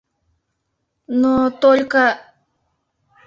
Но... только!..